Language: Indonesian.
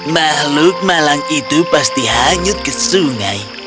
makhluk malang itu pasti hanyut ke sungai